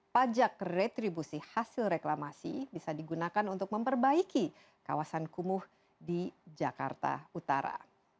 pajak retribusi hasil reklamasi bisa digunakan untuk memperbaiki kawasan kumuh di jakarta utara